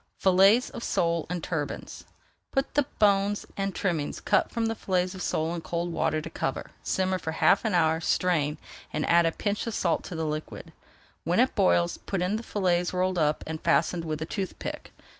FILLETS OF SOLE IN TURBANS Put the bones and trimmings cut from fillets of sole in cold water to cover, simmer for half an hour, strain, and add a pinch of salt to the liquid. When it boils, put in the fillets rolled up, and fastened with a toothpick.